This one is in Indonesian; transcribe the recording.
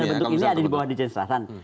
terbentuk ini ada dibawah dirijen selatan